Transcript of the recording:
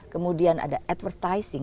kemudian ada advertising